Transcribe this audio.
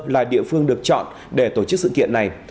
là địa phương được chọn để tổ chức sự kiện này